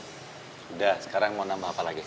sudah sekarang mau nambah apa lagi